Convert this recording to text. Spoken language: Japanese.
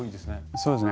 そうですね。